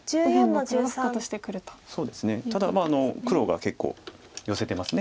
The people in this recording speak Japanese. ただ黒が結構ヨセてます。